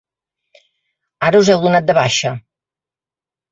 Ara us heu donat de baixa.